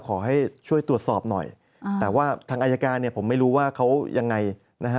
ขอให้ช่วยตรวจสอบหน่อยแต่ว่าทางอายการเนี่ยผมไม่รู้ว่าเขายังไงนะฮะ